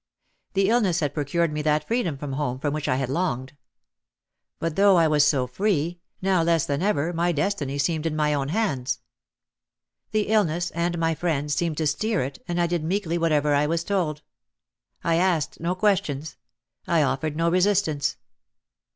The illness had procured me that freedom from home for which I had longed. But though I was so free, now less than ever my destiny seemed in my own hands. The illness and my friends seemed to steer it and I did meekly whatever I was told. I asked no questions. I offered no resistance.